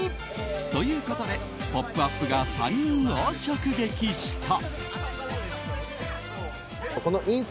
ということで「ポップＵＰ！」が３人を直撃した。